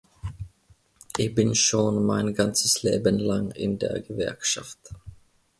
Ich bin schon mein ganzes Leben lang in der Gewerkschaft.